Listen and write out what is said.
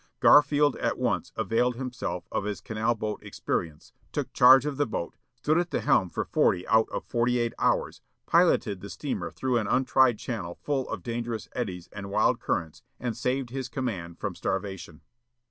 Garfield at once availed himself of his canal boat experience, took charge of the boat, stood at the helm for forty out of forty eight hours, piloted the steamer through an untried channel full of dangerous eddies and wild currents, and saved his command from starvation."